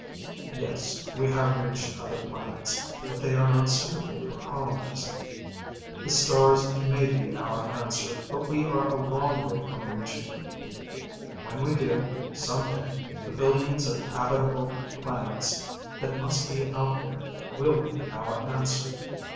"Yes, we have reached other planets, but they are not suitable for colonizing. The stars may be our answer, but we are a long way from reaching them. When we do, someday, the billions of habitable planets that must be out there will be our answer